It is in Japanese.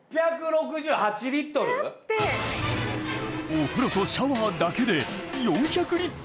お風呂とシャワーだけで４００リットル超え。